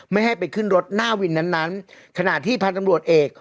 ไม่ให้ไปขึ้นรถหน้าวินนั้นนั้นขณะที่พันธุ์ตำรวจเอก